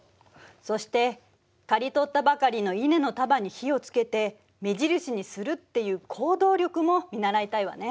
そして刈り取ったばかりの稲の束に火をつけて目印にするっていう行動力も見習いたいわね。